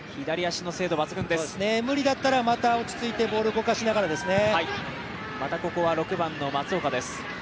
無理だったらまた落ちついてボールを動かしながらですね。